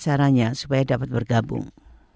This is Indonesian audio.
caranya supaya dapat bergabung